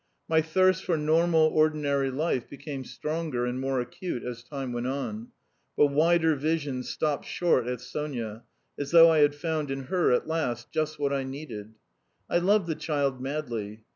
My thirst for normal ordinary life became stronger and more acute as time went on, but wider visions stopped short at Sonya, as though I had found in her at last just what I needed. I loved the child madly.